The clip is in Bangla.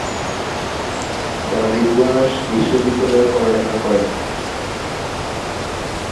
দাভিদ ওয়ারশ' বিশ্ববিদ্যালয়ে পড়ালেখা করেন।